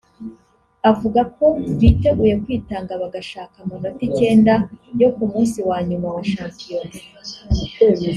avuga ko biteguye kwitanga bagashaka amanota icyenda yo ku munsi wa nyuma wa shampiyona